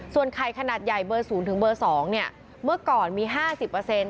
ส่วนไข่ขนาดใหญ่เบอร์ศูนย์ถึงเบอร์สองเนี่ยเมื่อก่อนมีห้าสิบเปอร์เซ็นต์